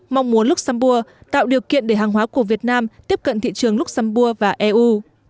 mong muốn luxembourg tạo điều kiện để hàng hóa của việt nam tiếp cận thị trường luxembourg và eu